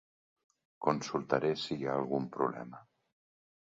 Consultaré si hi ha algun problema.